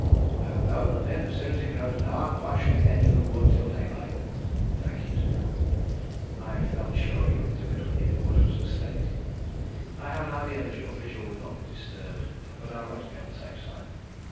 "I will go to the pit as soon as it grows dark, and watch from the edge of the wood till daylight." "Thank you," said Colwyn. "I felt sure you would do it when you knew what was at stake. I have an idea that your vigil will not be disturbed, but I want to be on the safe side.